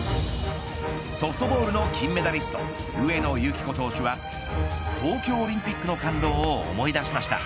ソフトボールの金メダリスト上野由岐子投手は東京オリンピックの感動を思い出しました。